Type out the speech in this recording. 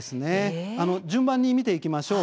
順番に見ていきましょう。